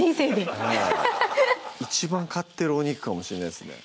はい一番買ってるお肉かもしれないですね